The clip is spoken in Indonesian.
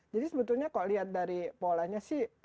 jadi sebetulnya kalau lihat dari polanya sih